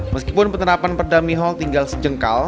meskipun penerapan perda mihol tinggal sejengkal